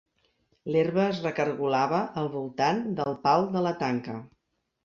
L'herba es recaragolava al voltant del pal de la tanca.